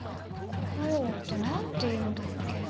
こういうのって何て言うんだっけ？